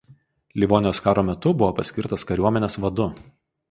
Livonijos karo metu buvo paskirtas kariuomenės vadu.